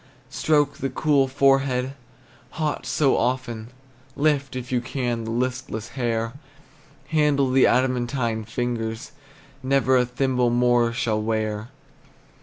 Stroke the cool forehead, hot so often, Lift, if you can, the listless hair; Handle the adamantine fingers Never a thimble more shall wear.